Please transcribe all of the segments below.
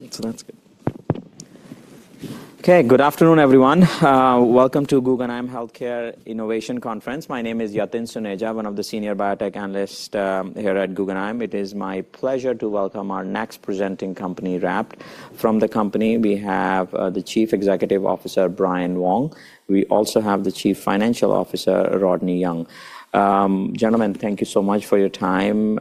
That's good. Okay, good afternoon, everyone. Welcome to Guggenheim Healthcare Innovation Conference. My name is Yatin Suneja, one of the senior biotech analysts here at Guggenheim. It is my pleasure to welcome our next presenting company, RAPT. From the company, we have the Chief Executive Officer, Brian Wong. We also have the Chief Financial Officer, Rodney Young. Gentlemen, thank you so much for your time.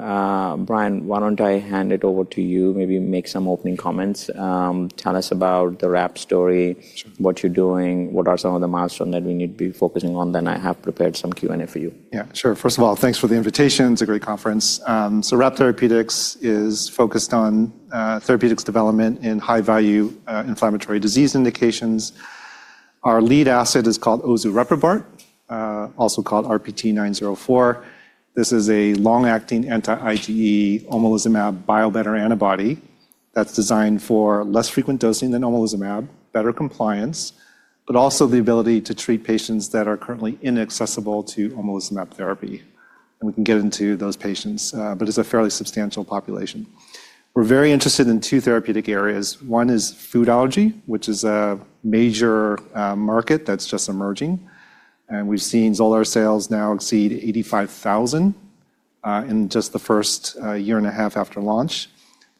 Brian, why don't I hand it over to you? Maybe make some opening comments. Tell us about the RAPT story, what you're doing, what are some of the milestones that we need to be focusing on, then I have prepared some Q&A for you. Yeah, sure. First of all, thanks for the invitation. It's a great conference. RAPT Therapeutics is focused on therapeutics development in high-value inflammatory disease indications. Our lead asset is called Ozureprubart, also called RPT904. This is a long-acting anti-IgE omalizumab bio-better antibody that's designed for less frequent dosing than omalizumab, better compliance, but also the ability to treat patients that are currently inaccessible to omalizumab therapy. We can get into those patients, but it's a fairly substantial population. We're very interested in two therapeutic areas. One is food allergy, which is a major market that's just emerging. We've seen Xolair sales now exceed 85,000 in just the first year and a half after launch.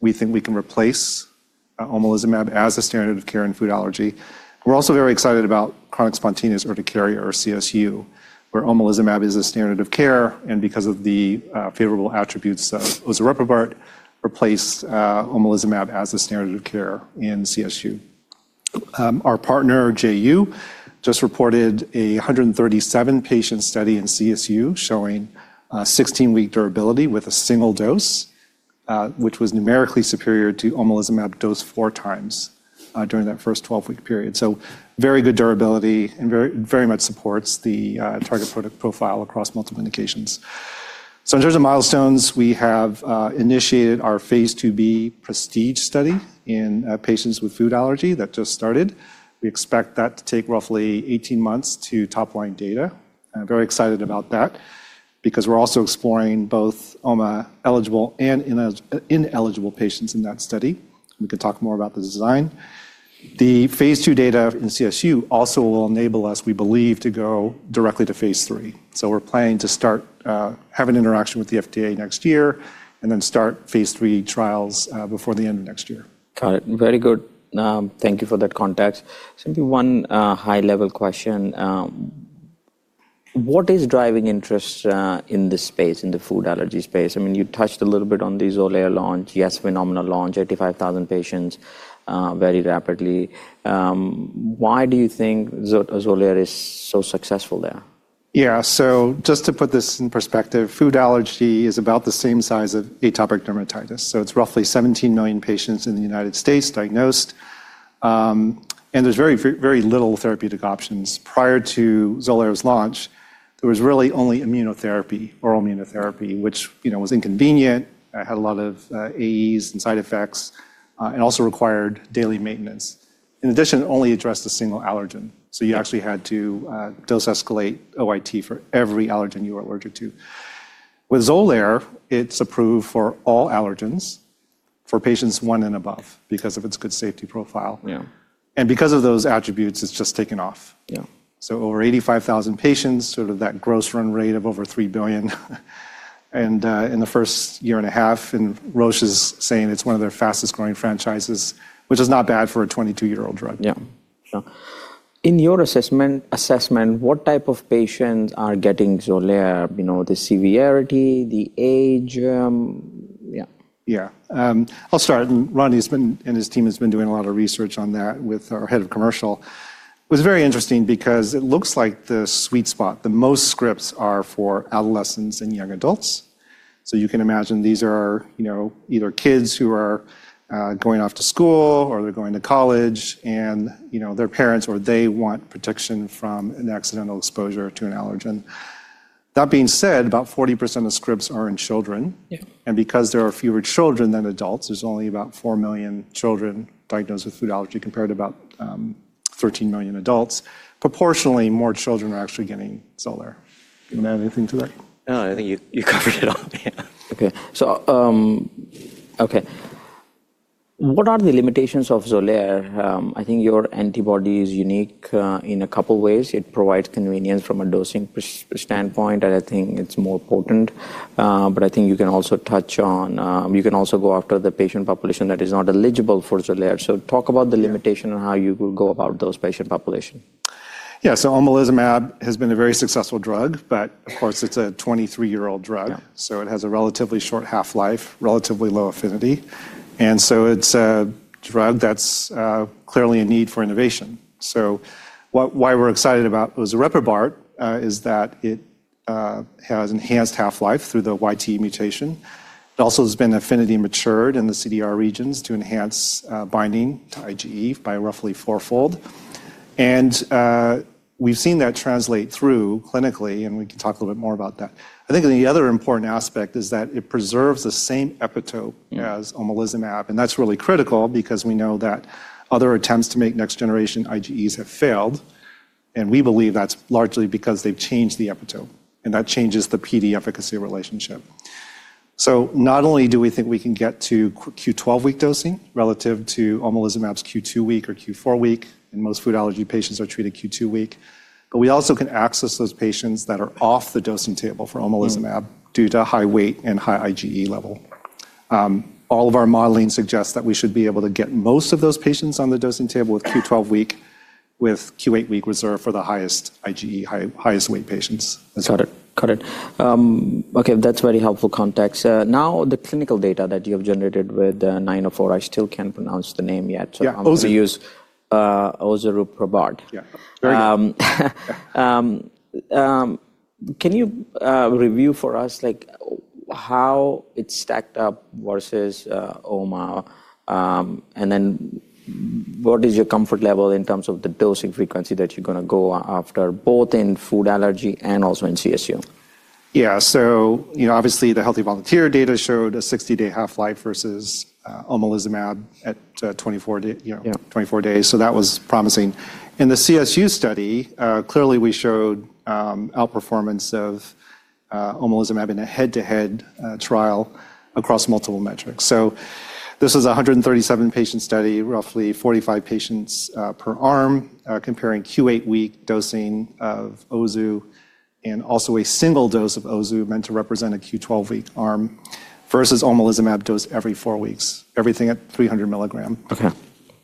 We think we can replace omalizumab as a standard of care in food allergy. We're also very excited about Chronic Spontaneous Urticaria or CSU, where omalizumab is a standard of care. Because of the favorable attributes of Ozureprubart, it could replace omalizumab as a standard of care in CSU. Our partner, Jeyou, just reported a 137-patient study in CSU showing 16-week durability with a single dose, which was numerically superior to omalizumab dosed four times during that first 12-week period. Very good durability and very much supports the target product profile across multiple indications. In terms of milestones, we have initiated our phase II-B Prestige study in patients with food allergy that just started. We expect that to take roughly 18 months to topline data. I'm very excited about that because we're also exploring both oma-eligible and ineligible patients in that study. We can talk more about the design. The phase II data in CSU also will enable us, we believe, to go directly to phase III. We're planning to start having interaction with the FDA next year and then start phase III trials before the end of next year. Got it. Very good. Thank you for that context. Simply one high-level question. What is driving interest in this space, in the food allergy space? I mean, you touched a little bit on the Xolair launch, yes, phenomenal launch, 85,000 patients very rapidly. Why do you think Xolair is so successful there? Yeah, so just to put this in perspective, food allergy is about the same size as atopic dermatitis. So it's roughly 17 million patients in the United States diagnosed. And there's very, very little therapeutic options. Prior to Xolair's launch, there was really only immunotherapy, oral immunotherapy, which was inconvenient. It had a lot of AEs and side effects and also required daily maintenance. In addition, it only addressed a single allergen. So you actually had to dose-escalate OIT for every allergen you were allergic to. With Xolair, it's approved for all allergens for patients one and above because of its good safety profile. And because of those attributes, it's just taken off. So over 85,000 patients, sort of that gross run rate of over $3 billion. In the first year and a half, Roche is saying it's one of their fastest-growing franchises, which is not bad for a 22-year-old drug. Yeah, sure. In your assessment, what type of patients are getting Xolair? The severity, the age? Yeah. Yeah. I'll start. Rodney and his team have been doing a lot of research on that with our head of commercial. It was very interesting because it looks like the sweet spot, the most scripts are for adolescents and young adults. You can imagine these are either kids who are going off to school or they're going to college and their parents or they want protection from an accidental exposure to an allergen. That being said, about 40% of scripts are in children. Because there are fewer children than adults, there's only about 4 million children diagnosed with food allergy compared to about 13 million adults. Proportionally, more children are actually getting Xolair. Do you want to add anything to that? No, I think you covered it all. Yeah. Okay. Okay. What are the limitations of Xolair? I think your antibody is unique in a couple of ways. It provides convenience from a dosing standpoint, and I think it's more potent. I think you can also touch on you can also go after the patient population that is not eligible for Xolair. Talk about the limitation and how you will go about those patient populations. Yeah, so omalizumab has been a very successful drug, but of course, it's a 23-year-old drug. It has a relatively short half-life, relatively low affinity. It's a drug that's clearly in need for innovation. Why we're excited about Ozureprubart is that it has enhanced half-life through the YT mutation. It also has been affinity matured in the CDR regions to enhance binding to IgE by roughly fourfold. We've seen that translate through clinically, and we can talk a little bit more about that. I think the other important aspect is that it preserves the same epitope as omalizumab. That's really critical because we know that other attempts to make next-generation IgEs have failed. We believe that's largely because they've changed the epitope. That changes the PD efficacy relationship. Not only do we think we can get to Q12 week dosing relative to omalizumab's Q2 week or Q4 week, and most food allergy patients are treated Q2 week, but we also can access those patients that are off the dosing table for omalizumab due to high weight and high IgE level. All of our modeling suggests that we should be able to get most of those patients on the dosing table with Q12 week, with Q8 week reserved for the highest IgE, highest weight patients. Got it. Got it. Okay, that's very helpful context. Now, the clinical data that you have generated with 904, I still can't pronounce the name yet. Yeah, Ozu. So I'm going to use Ozureprubart. Yeah. Can you review for us how it stacked up versus OMA? What is your comfort level in terms of the dosing frequency that you're going to go after, both in food allergy and also in CSU? Yeah, so obviously, the Healthy Volunteer data showed a 60-day half-life versus omalizumab at 24 days. That was promising. In the CSU study, clearly, we showed outperformance of omalizumab in a head-to-head trial across multiple metrics. This is a 137-patient study, roughly 45 patients per arm, comparing Q8 week dosing of Ozu and also a single dose of Ozu meant to represent a Q12 week arm versus omalizumab dosed every four weeks, everything at 300 mg.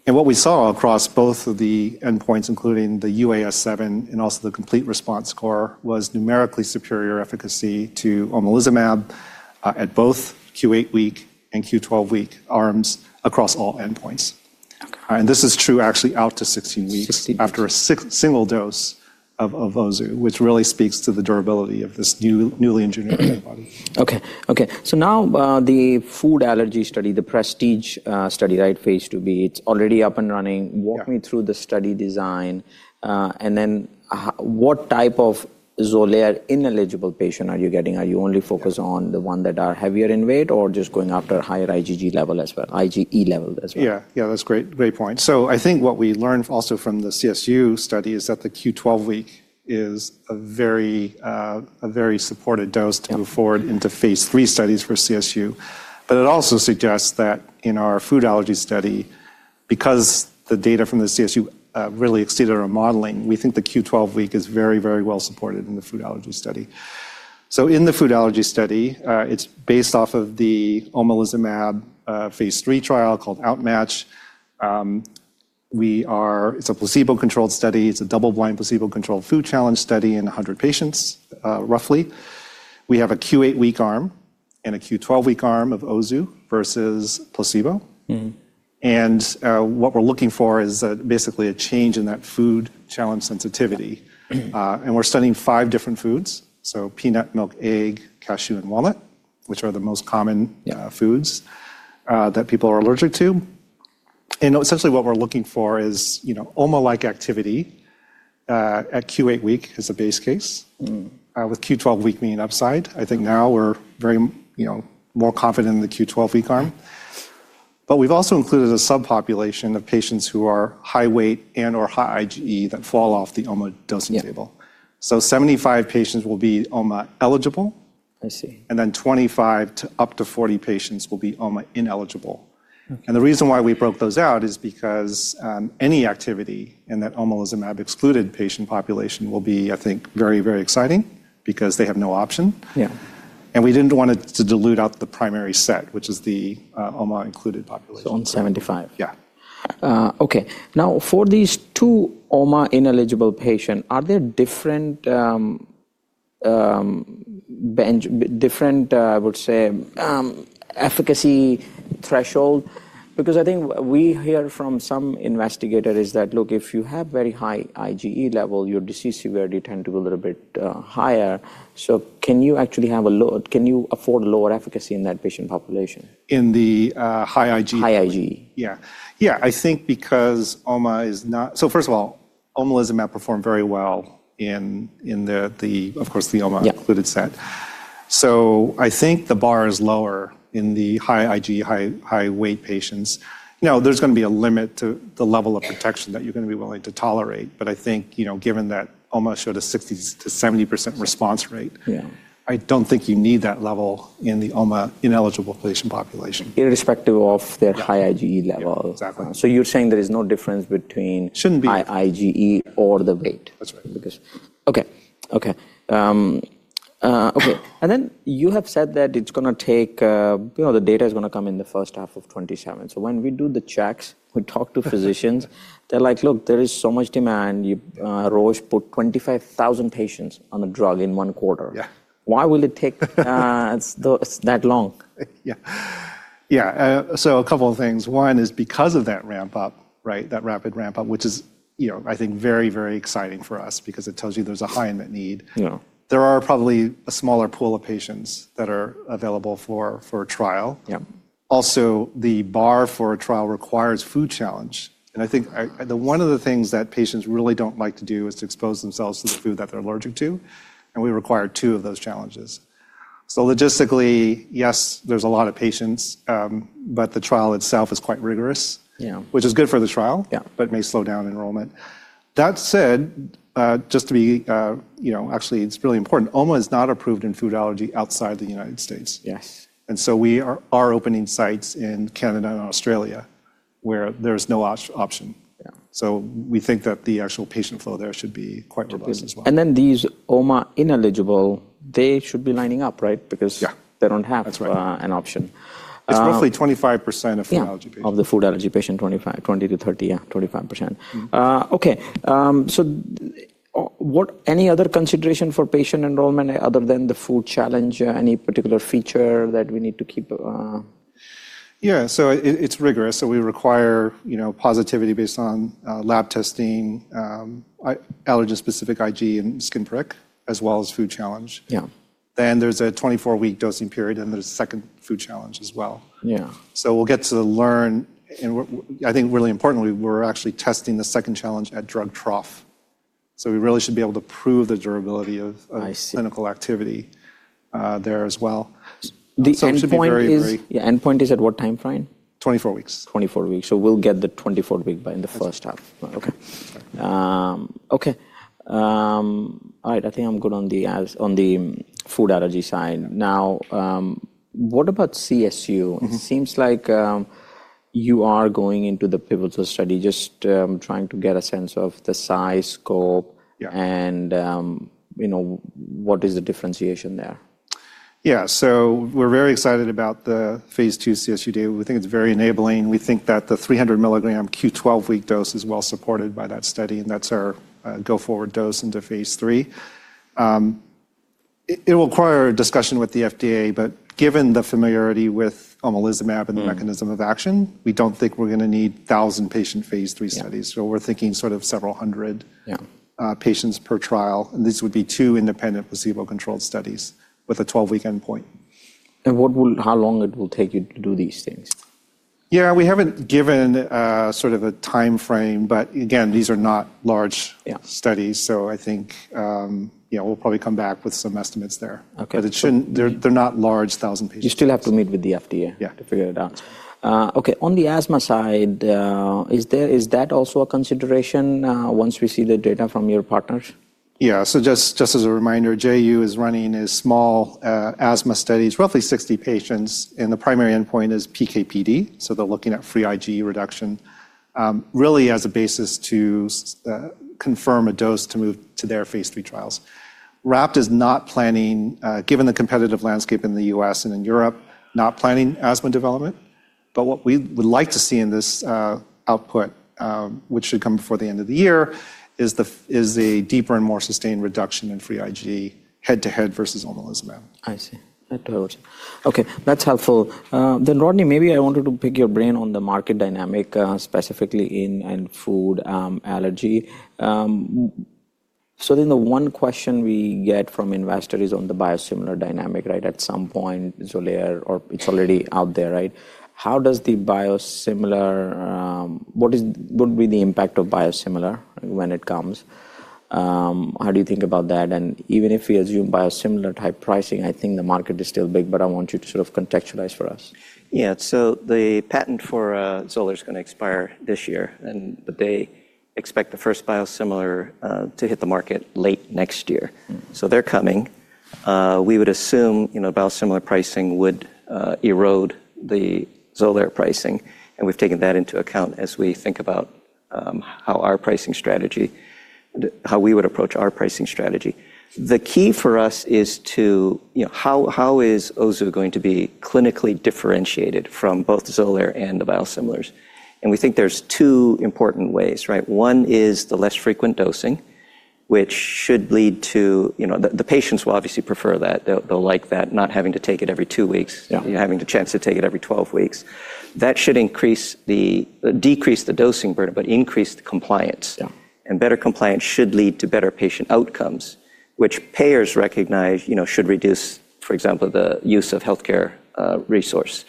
What we saw across both of the endpoints, including the UAS7 and also the complete response score, was numerically superior efficacy to omalizumab at both Q8 week and Q12 week arms across all endpoints. This is true actually out to 16 weeks after a single dose of Ozu, which really speaks to the durability of this newly engineered antibody. Okay. Okay. Now the food allergy study, the Prestige study, right, phase II-B, it's already up and running. Walk me through the study design. What type of Xolair ineligible patient are you getting? Are you only focused on the ones that are heavier in weight or just going after higher IgE level as well? Yeah, yeah, that's great. Great point. I think what we learned also from the CSU study is that the Q12 week is a very supported dose to move forward into phase III studies for CSU. It also suggests that in our food allergy study, because the data from the CSU really exceeded our modeling, we think the Q12 week is very, very well supported in the food allergy study. In the food allergy study, it's based off of the omalizumab phase III trial called OUtMATCH. It's a placebo-controlled study. It's a double-blind placebo-controlled food challenge study in 100 patients, roughly. We have a Q8 week arm and a Q12 week arm of Ozu versus placebo. What we're looking for is basically a change in that food challenge sensitivity. We're studying five different foods. Peanut, milk, egg, cashew, and walnut, which are the most common foods that people are allergic to. Essentially, what we're looking for is OMA-like activity at Q8 week as a base case, with Q12 week being upside. I think now we're more confident in the Q12 week arm. We've also included a subpopulation of patients who are high weight and/or high IgE that fall off the OMA dosing table. Seventy-five patients will be OMA-eligible. I see. Twenty-five to up to 40 patients will be OMA-ineligible. The reason why we broke those out is because any activity in that omalizumab-excluded patient population will be, I think, very, very exciting because they have no option. We did not want to dilute out the primary set, which is the OMA-included population. On 75. Yeah. Okay. Now, for these two OMA-ineligible patients, are there different, I would say, efficacy thresholds? Because I think we hear from some investigators that, look, if you have very high IgE level, your disease severity tends to be a little bit higher. So can you actually have a low, can you afford lower efficacy in that patient population? In the high IgE? High IgE. Yeah. Yeah, I think because OMA is not, so first of all, omalizumab performed very well in the, of course, the OMA-included set. I think the bar is lower in the high IgE, high weight patients. Now, there's going to be a limit to the level of protection that you're going to be willing to tolerate. I think given that OMA showed a 60%-70% response rate, I don't think you need that level in the OMA-ineligible patient population. Irrespective of their high IgE level. Exactly. You're saying there is no difference between. Shouldn't be. High IgE or the weight? That's right. Okay. Okay. Okay. You have said that it's going to take the data is going to come in the first half of 2027. When we do the checks, we talk to physicians, they're like, "Look, there is so much demand." Roche put 25,000 patients on the drug in one quarter. Why will it take that long? Yeah. Yeah. A couple of things. One is because of that ramp-up, right, that rapid ramp-up, which is, I think, very, very exciting for us because it tells you there's a high in that need. There are probably a smaller pool of patients that are available for trial. Also, the bar for a trial requires food challenge. I think one of the things that patients really do not like to do is to expose themselves to the food that they are allergic to. We require two of those challenges. Logistically, yes, there are a lot of patients, but the trial itself is quite rigorous, which is good for the trial, but may slow down enrollment. That said, just to be actually, it is really important. Oma is not approved in food allergy outside the United States. We are opening sites in Canada and Australia where there is no option. We think that the actual patient flow there should be quite robust as well. These OMA-ineligible, they should be lining up, right? Because they do not have an option. That's right. It's roughly 25% of food allergy patients. Yeah, of the food allergy patients, 20%-30, yeah, 25%. Okay. Any other consideration for patient enrollment other than the food challenge, any particular feature that we need to keep? Yeah, so it's rigorous. We require positivity based on lab testing, allergen-specific IgE and skin prick, as well as food challenge. There's a 24-week dosing period, and there's a second food challenge as well. Yeah, we'll get to learn. I think really importantly, we're actually testing the second challenge at drug trough. We really should be able to prove the durability of clinical activity there as well. The endpoint is, yeah, endpoint is at what time frame? 24 weeks. Twenty-four weeks. We'll get the twenty-four-week by in the first half. Okay. Okay. All right. I think I'm good on the food allergy side. Now, what about CSU? It seems like you are going into the pivotal study. Just trying to get a sense of the size, scope, and what is the differentiation there. Yeah, so we're very excited about the phase II CSU data. We think it's very enabling. We think that the 300 mg Q12 week dose is well supported by that study. That's our go-forward dose into phase III. It will require a discussion with the FDA, but given the familiarity with omalizumab and the mechanism of action, we don't think we're going to need 1,000 patient phase III studies. We're thinking sort of several hundred patients per trial. These would be two independent placebo-controlled studies with a 12-week endpoint. How long will it take you to do these things? Yeah, we haven't given sort of a time frame, but again, these are not large studies. I think we'll probably come back with some estimates there. They're not large 1,000 patients. You still have to meet with the FDA to figure it out. Okay. On the asthma side, is that also a consideration once we see the data from your partners? Yeah. So just as a reminder, Jeyou is running a small asthma study, roughly 60 patients, and the primary endpoint is PKPD. So they're looking at free IgE reduction really as a basis to confirm a dose to move to their phase III trials. RAPT is not planning, given the competitive landscape in the U.S. and in Europe, not planning asthma development. What we would like to see in this output, which should come before the end of the year, is a deeper and more sustained reduction in free IgE head-to-head versus omalizumab. I see. Okay. That's helpful. Rodney, maybe I wanted to pick your brain on the market dynamic, specifically in food allergy. The one question we get from investors on the biosimilar dynamic, right, at some point, Xolair, or it's already out there, right? How does the biosimilar, what would be the impact of biosimilar when it comes? How do you think about that? Even if we assume biosimilar-type pricing, I think the market is still big, but I want you to sort of contextualize for us. Yeah. So the patent for Xolair is going to expire this year. They expect the first biosimilar to hit the market late next year. They're coming. We would assume biosimilar pricing would erode the Xolair pricing. We've taken that into account as we think about how our pricing strategy, how we would approach our pricing strategy. The key for us is how is Ozu going to be clinically differentiated from both Xolair and the biosimilars? We think there's two important ways, right? One is the less frequent dosing, which should lead to the patients will obviously prefer that. They'll like that, not having to take it every two weeks, having the chance to take it every 12 weeks. That should decrease the dosing burden, but increase compliance. Better compliance should lead to better patient outcomes, which payers recognize should reduce, for example, the use of healthcare resource.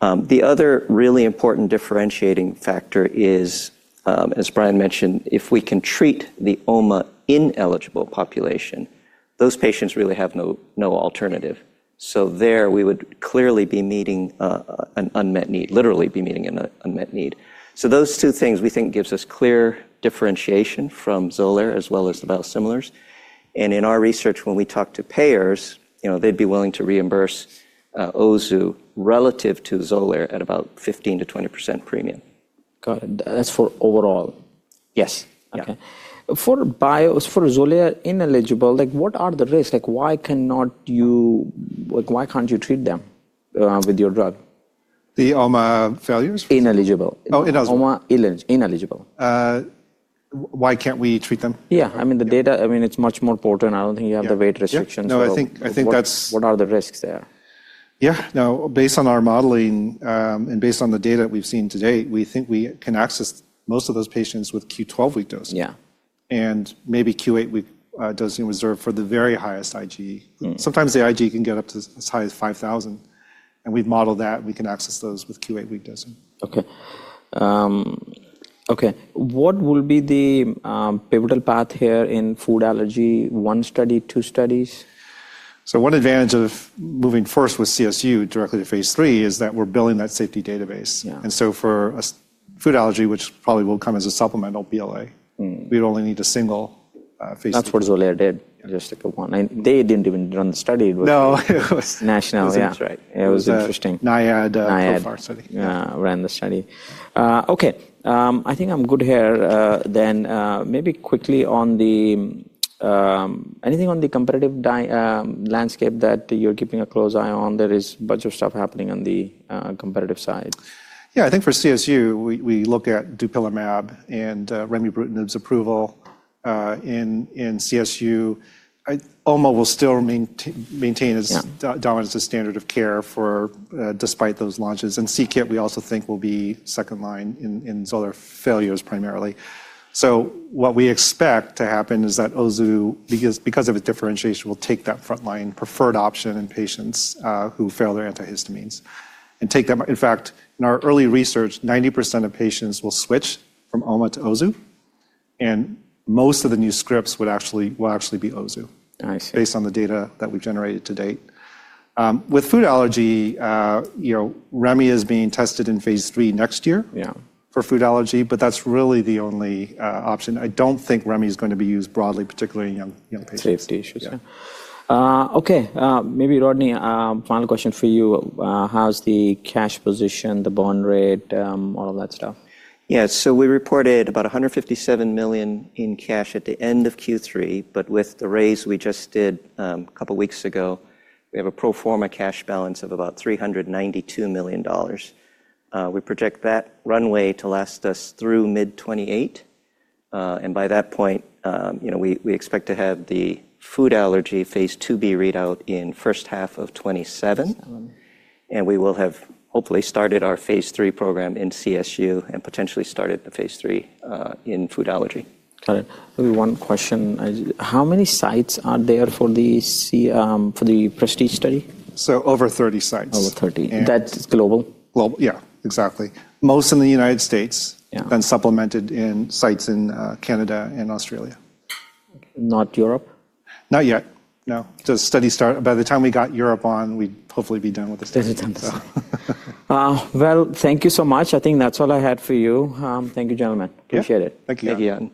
The other really important differentiating factor is, as Brian mentioned, if we can treat the OMA-ineligible population, those patients really have no alternative. There, we would clearly be meeting an unmet need, literally be meeting an unmet need. Those two things, we think, give us clear differentiation from Xolair as well as the biosimilars. In our research, when we talk to payers, they'd be willing to reimburse Ozu relative to Xolair at about 15%-20% premium. Got it. That's for overall? Yes. Okay. For Xolair ineligible, what are the risks? Why can't you treat them with your drug? The OMA failures? Ineligible. Oh, it doesn't. OMA-ineligible. Why can't we treat them? Yeah. I mean, the data, I mean, it's much more important. I don't think you have the weight restrictions or what are the risks there? Yeah. No, based on our modeling and based on the data that we've seen today, we think we can access most of those patients with Q12 week dosing. Maybe Q8 week dosing reserved for the very highest IgE. Sometimes the IgE can get up to as high as 5,000. We've modeled that. We can access those with Q8 week dosing. Okay. Okay. What will be the pivotal path here in food allergy, one study, two studies? One advantage of moving first with CSU directly to phase III is that we're building that safety database. For a food allergy, which probably will come as a supplemental PLA, we'd only need a single phase III. That's what Xolair did, just like a one. They didn't even run the study. No, it was. National. Yeah. It was interesting. NIAID. NIAID. So far, study. Yeah. Ran the study. Okay. I think I'm good here. Maybe quickly on anything on the competitive landscape that you're keeping a close eye on. There is a bunch of stuff happening on the competitive side. Yeah. I think for CSU, we look at dupilumab and remibrutinib's approval in CSU. Oma will still maintain its dominance as standard of care despite those launches. And CKIT, we also think, will be second line in Xolair failures primarily. What we expect to happen is that Ozu, because of its differentiation, will take that front line preferred option in patients who fail their antihistamines and take them. In fact, in our early research, 90% of patients will switch from oma to Ozu. Most of the new scripts will actually be Ozu based on the data that we've generated to date. With food allergy, remi is being tested in phase III next year for food allergy, but that's really the only option. I do not think remi is going to be used broadly, particularly in young patients. Safety issues. Yeah. Okay. Maybe, Rodney, final question for you. How's the cash position, the bond rate, all of that stuff? Yeah. We reported about $157 million in cash at the end of Q3. With the raise we just did a couple of weeks ago, we have a pro forma cash balance of about $392 million. We project that runway to last us through mid-2028. By that point, we expect to have the food allergy phase II-B readout in the first half of 2027. We will have hopefully started our phase III program in CSU and potentially started the phase III in food allergy. Got it. Maybe one question. How many sites are there for the Prestige study? Over 30 sites. Over 30. That's global? Global. Yeah, exactly. Most in the United States, then supplemented in sites in Canada and Australia. Not Europe? Not yet. No. The study, by the time we got Europe on, we'd hopefully be done with the study. Thank you so much. I think that's all I had for you. Thank you, gentlemen. Appreciate it. Thank you. Thank you.